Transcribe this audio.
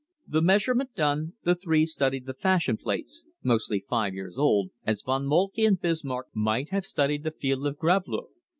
The measurement done, the three studied the fashion plates mostly five years old as Von Moltke and Bismarck might have studied the field of Gravelotte.